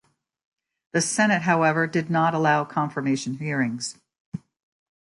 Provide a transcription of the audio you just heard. The Senate, however, did not allow confirmation hearings.